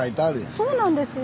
そうなんですよ。